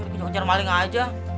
kejar kejar maling aja